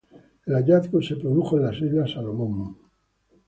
El hallazgo se produjo en las Islas Salomón.